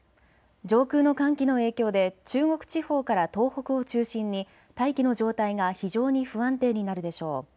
上空の寒気の影響で中国地方から東北を中心に大気の状態が非常に不安定になるでしょう。